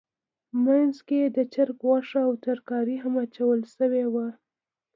منځ کې یې د چرګ غوښه او ترکاري هم اچول شوې وه.